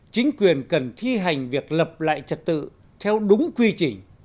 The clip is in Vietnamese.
chính quyền cần thi hành việc lập lại trật tự theo đúng quy trình